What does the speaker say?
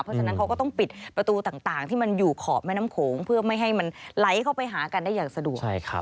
เพราะฉะนั้นเขาก็ต้องปิดประตูต่างที่มันอยู่ขอบแม่น้ำโขงเพื่อไม่ให้มันไหลเข้าไปหากันได้อย่างสะดวก